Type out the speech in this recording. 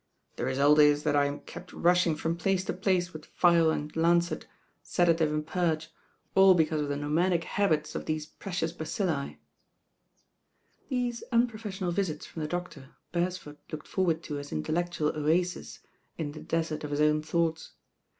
The result is that I am kept rushing from place to place with ph^l and lancet, sedative and purge, all because of the nomadic habits of these precious bacilli." These unprofessional visits from the doctor Beresford looked forward to as intellectual oases in the desert of his own thoughts.